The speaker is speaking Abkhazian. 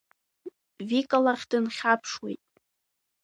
Вика лахь дынхьаԥшуеит.